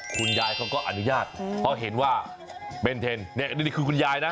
คุณยายเขาก็อนุญาตเพราะเห็นว่าเบนเทนนี่คือคุณยายนะ